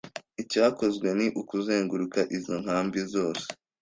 Icyakozwe ni ukuzenguruka izo nkambi zose